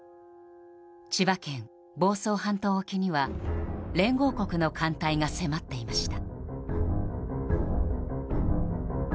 千葉県房総半島沖には連合国の艦隊が迫っていました。